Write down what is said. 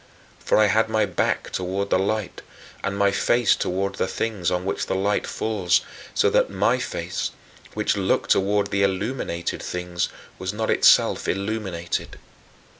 For I had my back toward the light, and my face toward the things on which the light falls, so that my face, which looked toward the illuminated things, was not itself illuminated.